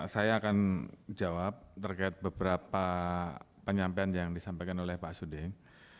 saya akan jawab terkait beberapa penyampaian yang disampaikan oleh pak suding